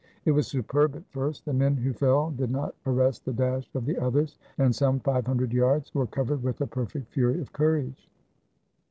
It was superb at first; the men who fell did not arrest the dash of the others, and some five hundred yards were covered with a perfect fury of courage.